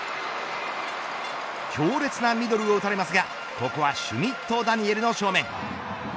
強烈なミドルを打たれますがここはシュミット・ダニエルの正面。